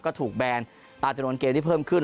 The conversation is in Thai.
ก็ถูกแบนตามจำนวนเกมที่เพิ่มขึ้น